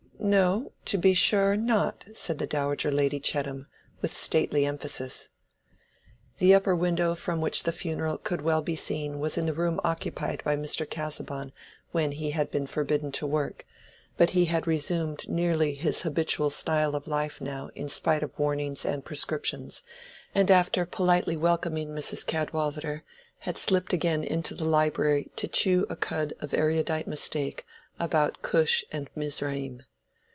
"No, to be sure not," said the Dowager Lady Chettam, with stately emphasis. The upper window from which the funeral could be well seen was in the room occupied by Mr. Casaubon when he had been forbidden to work; but he had resumed nearly his habitual style of life now in spite of warnings and prescriptions, and after politely welcoming Mrs. Cadwallader had slipped again into the library to chew a cud of erudite mistake about Cush and Mizraim.